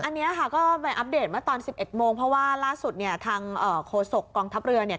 อันเนี้ยค่ะก็ไปอัปเดตมาตอนสิบเอ็ดโมงเพราะว่าล่าสุดเนี่ยทางโคศกกองทัพเรือเนี่ย